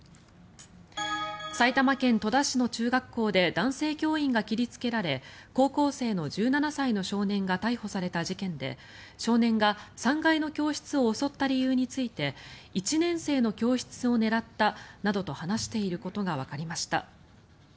埼玉県戸田市の中学校で男性教員が切りつけられ高校生の１７歳の少年が逮捕された事件で少年が３階の教室を襲った理由について１年生の教室を狙ったなどと話していることがわかりました。